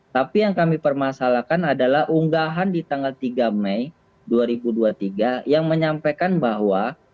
tapi yang kami permasalahkan adalah unggahan di tanggal tiga mei dua ribu dua puluh tiga yang menyampaikan bahwa